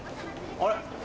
あれ？